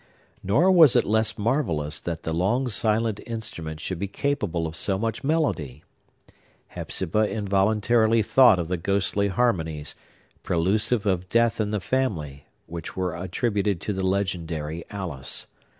Nor was it less marvellous that the long silent instrument should be capable of so much melody. Hepzibah involuntarily thought of the ghostly harmonies, prelusive of death in the family, which were attributed to the legendary Alice.